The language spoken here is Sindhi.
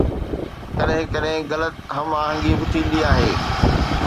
ڪڏهن ڪڏهن غلط هم آهنگي به ٿيندي آهي